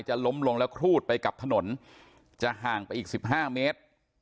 ล้มลงแล้วครูดไปกับถนนจะห่างไปอีก๑๕เมตร